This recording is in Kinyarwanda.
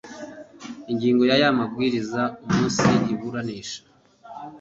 ngingo ya y aya mabwiriza Umunsi iburanisha